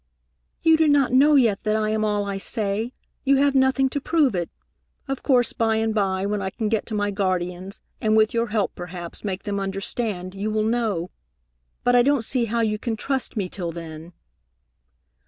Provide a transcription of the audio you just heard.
"You do not know yet that I am all I say. You have nothing to prove it. Of course, by and by, when I can get to my guardians, and with your help perhaps make them understand, you will know, but I don't see how you can trust me till then."